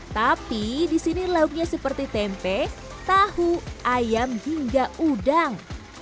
tapi disini dilakukannya seperti tempe tahu ayam hingga udang